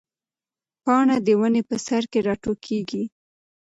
پاڼه د ونې په سر کې راټوکېږي.